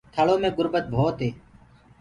ٿݪو مي گُربت ڀوت هي